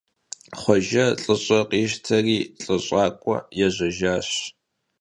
Xhuejje lh'ış'e khişteri lh'ış'ak'ue yêjejjaş.